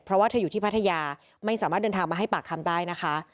เพราะว่าเธออยู่ที่พัทยาไม่สามารถเดินทางมาให้ปากคำได้นะคะ